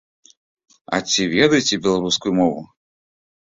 А ці ведаеце беларускую мову?